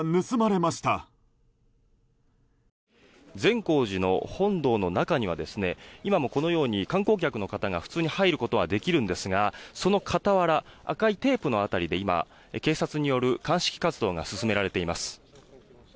善光寺の本堂の中にはこのように観光客の方が普通に入ることはできるんですがその傍ら、赤いテープの辺りで警察による鑑識活動が進められています。